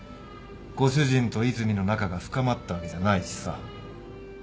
ご主人と和泉の仲が深まったわけじゃないしさ。